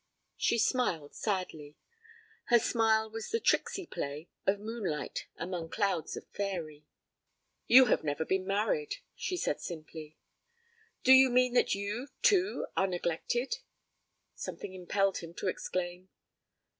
She smiled sadly. Her smile was the tricksy play of moonlight among clouds of faëry. 'You have never been married,' she said simply. 'Do you mean that you, too, are neglected?' something impelled him to exclaim.